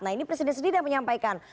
nah ini presiden sendiri yang menyampaikan